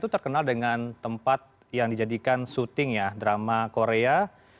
terkenal dengan tempat yang dijadikan syuting ya drama korea